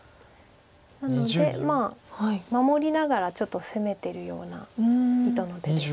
なので守りながらちょっと攻めてるような意図の手です。